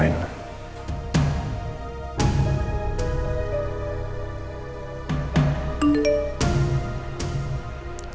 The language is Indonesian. habisin udah aku aturin